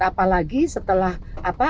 apalagi setelah apa